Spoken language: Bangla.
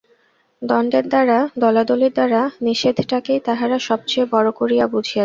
দণ্ডের দ্বারা, দলাদলির দ্বারা, নিষেধটাকেই তাহারা সব চেয়ে বড়ো করিয়া বুঝিয়াছে।